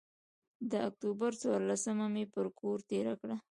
د اکتوبر څورلسمه مې پر کور تېره کړه.